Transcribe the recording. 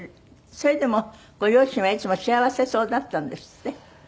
それでもご両親はいつも幸せそうだったんですって？